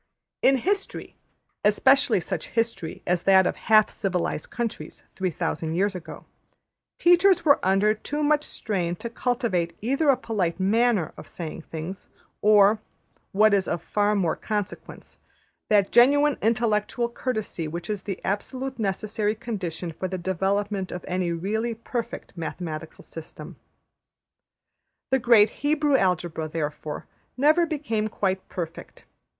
In history, especially such history as that of half civilised countries 3000 years ago, teachers were under too much strain to cultivate either a polite \emph{manner} of saying things, or, what is of far more consequence, that genuine intellectual courtesy which is the absolutely necessary condition for the development of any really perfect mathematical system. The great Hebrew Algebra, therefore, never became quite perfect.